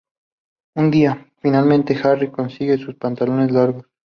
Un día, finalmente, Harry consigue sus pantalones largos.